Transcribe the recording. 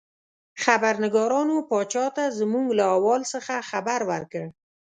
خبرنګارانو پاچا ته زموږ له احوال څخه خبر ورکړ.